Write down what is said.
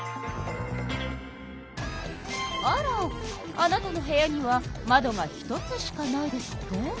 あらあなたの部屋には窓が１つしかないですって？